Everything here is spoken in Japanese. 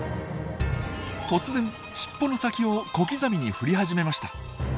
突然しっぽの先を小刻みに振り始めました。